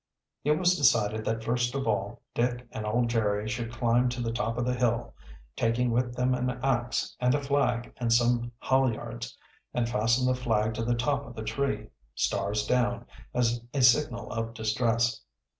It was decided that first of all Dick and old Jerry should climb to the top of the hill, taking with them an ax and a flag and some halyards, and fasten the flag to the top of the tree, stars down, as a signal of distress.